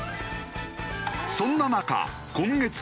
そんな中今月４日